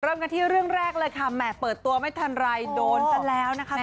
เริ่มกันที่เรื่องแรกเลยค่ะแหม่เปิดตัวไม่ทันไรโดนซะแล้วนะคะ